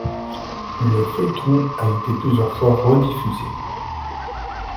Le feuilleton a été plusieurs fois rediffusé.